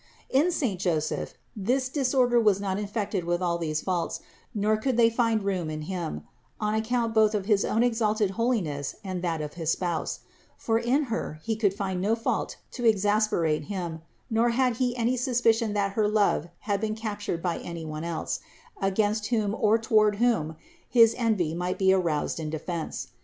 398. In saint Joseph this disorder was not infected with all these faults, nor could they find room in him, on account both of his own exalted holiness and that of his Spouse; for in Her he could find no fault to exasperate him, nor had he any suspicion that her love had been captured by any one else, against whom or toward whom his envy might be aroused in defense.